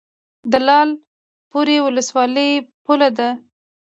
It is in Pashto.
د لعل پورې ولسوالۍ پوله ده